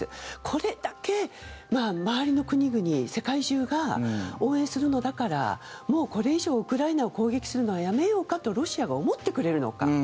これだけ周りの国々世界中が応援するのだからもうこれ以上、ウクライナを攻撃するのはやめようかとロシアが思ってくれるのか。